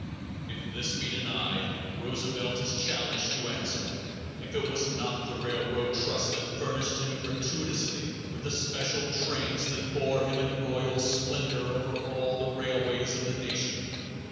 If this be denied, Roosevelt is challenged to answer if it was not the railroad trust that furnished him gratuitously with the special trains that bore him in royal splendor over all the railways of the nation.